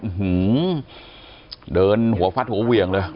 อื้อหือเดินหัวฟัดหัวเวียงเลย